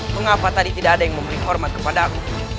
mengapa tadi tidak ada yang memberi hormat kepada aku